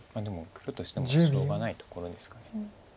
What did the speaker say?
でも黒としてもしょうがないところですか。